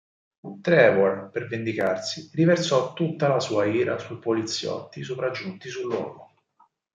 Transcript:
Trevor, per vendicarsi, riversò tutta la sua ira sui poliziotti sopraggiunti sul luogo.